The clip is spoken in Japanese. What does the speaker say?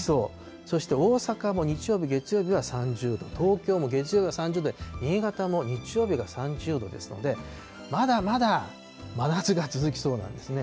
そして大阪も日曜日、月曜日は３０度、東京も月曜日は３０度で、新潟も日曜日は３０度ですので、まだまだ真夏が続きそうなんですね。